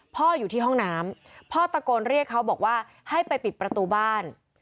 พ่ออยู่ที่ห้องน้ำพ่อตะโกนเรียกเขาบอกว่าให้ไปปิดประตูบ้าน